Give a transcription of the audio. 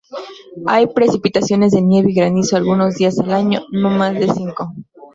Hay precipitaciones de nieve y granizo algunos días al año, no más de cinco.